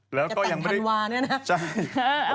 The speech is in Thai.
จะตั้งธัลว่าเนี่ยนะนะฮะ